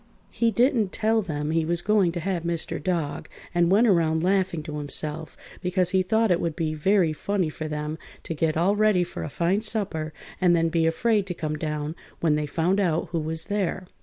He didn't tell them he was going to have Mr. Dog and went around laughing to himself, because he thought it would be very funny for them to get all ready for a fine supper and then be afraid to come down when they found out who was there.